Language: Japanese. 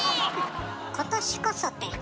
「今年こそ」て。